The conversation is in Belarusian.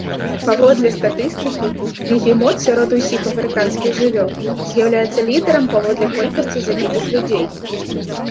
Паводле статыстыкі, бегемот сярод усіх афрыканскіх жывёл з'яўляецца лідарам паводле колькасці забітых людзей.